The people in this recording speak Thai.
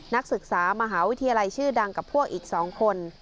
นักศึกษามหาวิทยาลัยชื่อดังกับพวกอีก๒คน